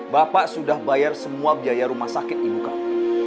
bapak sudah bayar semua biaya rumah sakit ibu kami